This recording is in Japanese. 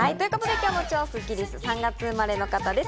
今日の超スッキりすは３月生まれの方です。